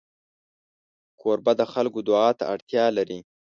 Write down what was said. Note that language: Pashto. کوربه د خلکو دعا ته اړتیا لري.